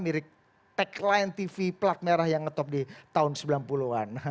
mirip tagline tv pelat merah yang ngetop di tahun sembilan puluh an